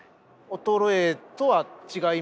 衰えとは違いますよね。